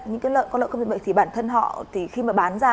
những cái lợn có lợn không bị nhiễm dịch bệnh thì bản thân họ thì khi mà bán ra